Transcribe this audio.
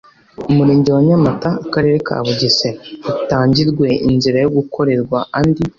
Umurenge wa Nyamata Akarere ka Bugesera hatangirwe inzira yo gukorerwa andi